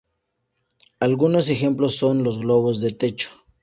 Algunos ejemplos son los globos de techo.